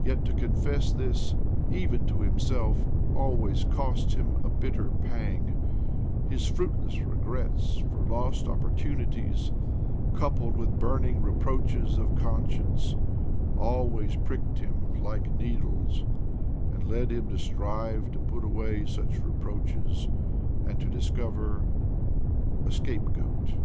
Yet to confess this, even to himself, always cost him a bitter pang : his fruitless regrets for lost opportunities, coupled with burning reproaches of con science, always pricked him like needles, and led him to strive to put away such reproaches and to discover a scapegoat.